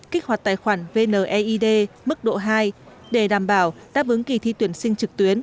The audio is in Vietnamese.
kích hoạt tài khoản vneid mức độ hai để đảm bảo đáp ứng kỳ thi tuyển sinh trực tuyến